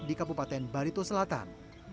di kabupaten barito selatan